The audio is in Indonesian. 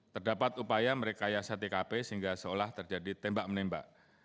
terdapat upaya merekayasa tkp sehingga seolah terjadi tembak menembak